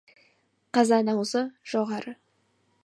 Қазан аузы жоғары.